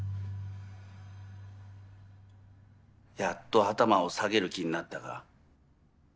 やっと頭を下げる気になったか。